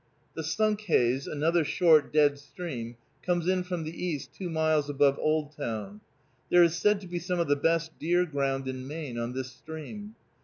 The Sunkhaze, another short dead stream, comes in from the east two miles above Oldtown. There is said to be some of the best deer ground in Maine on this stream.